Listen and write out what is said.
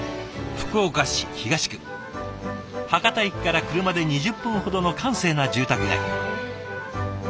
博多駅から車で２０分ほどの閑静な住宅街。